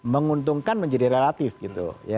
menguntungkan menjadi relatif gitu